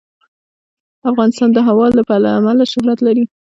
افغانستان د هوا له امله شهرت لري.